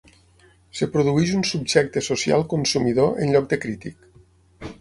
Es produeix un subjecte social consumidor en lloc de crític.